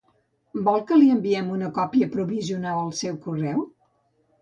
Vol que li envie'm una còpia provisional al seu correu?